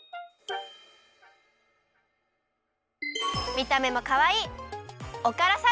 みためもかわいい！